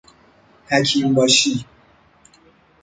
حکیم باشی